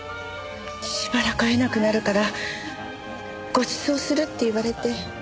しばらく会えなくなるからご馳走するって言われて。